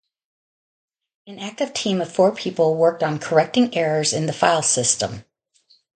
An active team of four people worked on correcting errors in the filesystem.